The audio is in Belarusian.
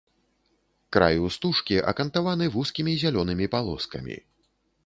Краю стужкі акантаваны вузкімі зялёнымі палоскамі.